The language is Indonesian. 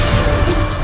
sampai k papah